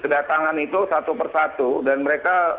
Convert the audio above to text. kedatangan itu satu persatu dan mereka